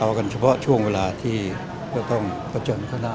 เอากันเฉพาะช่วงเวลาที่ก็ต้องเผชิญเข้าหน้า